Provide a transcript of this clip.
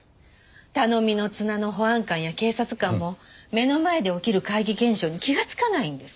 頼みの綱の保安官や警察官も目の前で起きる怪奇現象に気がつかないんです。